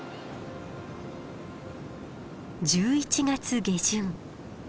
１１月下旬。